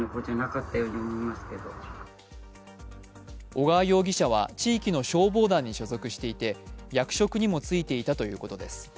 小川容疑者は、地域の消防団に所属していて役職にもついていたということです。